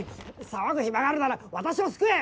騒ぐ暇があるなら私を救え！